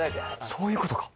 そういうことか！